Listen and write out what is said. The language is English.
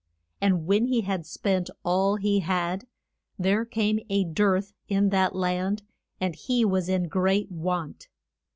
And when he had spent all he had, there came a dearth in that land, and he was in great want.